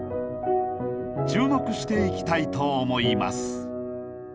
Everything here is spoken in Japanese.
注目していきたいと思います。